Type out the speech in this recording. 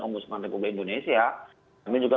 ombudsman republik indonesia kami juga